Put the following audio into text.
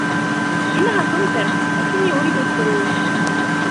إنها تمطر، لكني أريد الخروج.